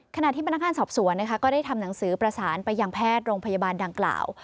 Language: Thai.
ขณะที่พนักงานสอบสวนนะคะก็ได้ทำหนังสือประสานไปยังแพทย์โรงพยาบาลดังกล่าว